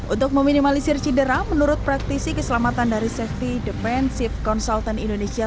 untuk meminimalisir cedera menurut praktisi keselamatan dari safety defensive consultant indonesia